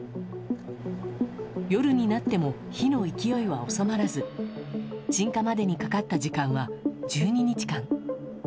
夜になっても火の勢いは収まらず鎮火までにかかった時間は１２日間。